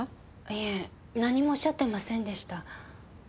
いえ何も仰ってませんでした。